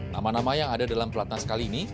nama nama yang ada dalam pelatnas kali ini